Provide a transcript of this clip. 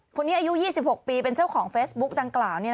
คนนี้อายุ๒๖ปีเป็นเจ้าของเฟสบุ๊กต่างกล่าว